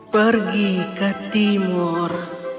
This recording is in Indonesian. pergi ke timur